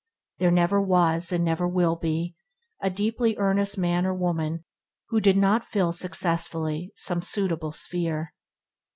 There never was, and never will be, a deeply earnest man or woman who did not fill successfully some suitable sphere.